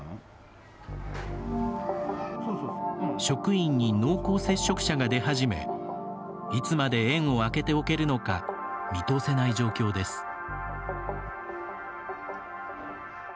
職員に濃厚接触者が出始めいつまで園を開けておけるのか見通せない状況です。